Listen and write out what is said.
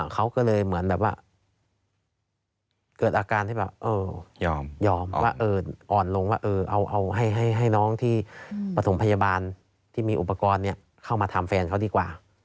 เขาก็เลยเหมือนแบบว่าเกิดอาการที่แบบยอมว่าอ่อนลงว่าเอาให้น้องที่ปฐมพยาบาลที่มีอุปกรณ์เข้ามาทำแฟนเขาดีกว่า